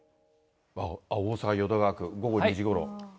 大阪・淀川区、午後２時ごろ。